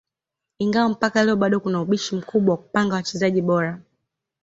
Ingawa mpaka leo bado kuna ubishi mkubwa wa kupanga wachezaji bora